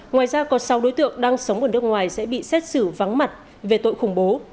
ngoài ra còn sáu đối tượng đang sống ở nước ngoài sẽ bị xét xử vắng mặt về tội khủng bố